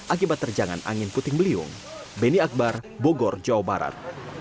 akibat terjangan angin puting beliung beni akbar bogor jawa barat